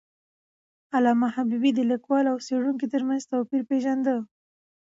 علامه حبيبي د لیکوال او څیړونکي تر منځ توپیر پېژنده.